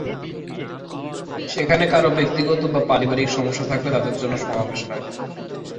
সেখানে কারো ব্যক্তিগত বা পারিবারিক সমস্যা থাকলে তাদের জন্য সমাবেশ হয়।